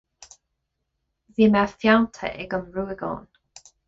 Bhí mé feannta ag an ruagán